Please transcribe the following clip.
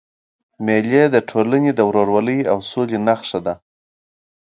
مېلې د ټولني د ورورولۍ او سولي نخښه ده.